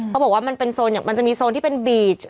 เขาบอกว่ามันเป็นโซนอย่างมันจะมีโซนที่เป็นบีช